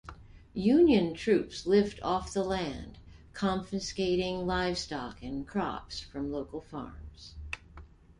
Union troops lived off the land, confiscating livestock and crops from local farms.